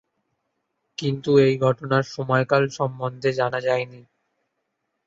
কিন্তু এই ঘটনার সময়কাল সম্বন্ধে জানা যায়নি।